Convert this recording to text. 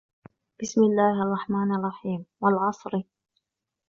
بِسْمِ اللَّهِ الرَّحْمَنِ الرَّحِيمِ وَالْعَصْرِ